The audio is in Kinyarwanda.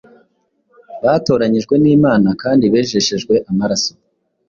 Batoranyijwe n’Imana kandi bejeshejwe amaraso